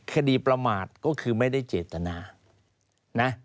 ประมาทก็คือไม่ได้เจตนานะ